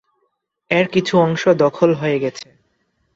এর কিছু অংশ দখল হয়ে গেছে।